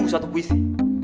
lima satu puisi